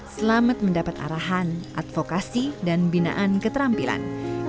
selamat mendapat arahan advokasi dan binaan keterampilan